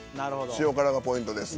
塩辛がポイントです。